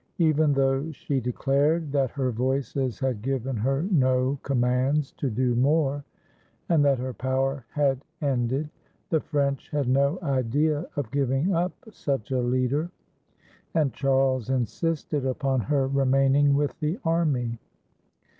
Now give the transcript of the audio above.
Even though she declared that her Voices had given her no commands to do more and that her power had ended, the French had no idea of giving up such a leader, and Charles insisted upon her remaining with the army.